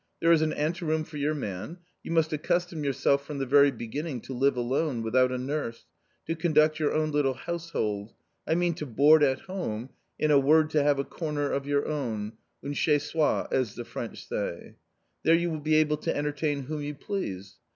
There is an ante room for vour maTT ' You must accustom yourself from the very be 1 ginning to live alone, without a nurse; to conduct your own little household, I mean to board at home, in a word to have a corner of your own — un chez sot, as the French say. There you will be able to entertain whom you please.